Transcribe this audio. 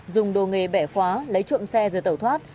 dùng đồ nghề bẻ khóa lấy trộm xe rồi tẩu thoát